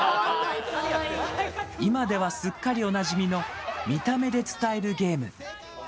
今ではすっかりおなじみの、見た目で伝えるゲーム。